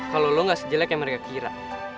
kalau lo gak sejelek yang mereka kira